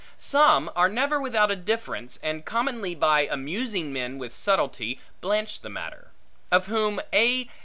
Some are never without a difference, and commonly by amusing men with a subtilty, blanch the matter; of whom A.